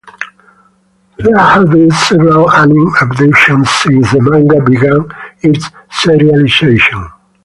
There have been several anime adaptions since the manga began its serialization.